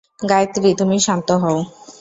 গায়েত্রী, তুমি শান্ত হও।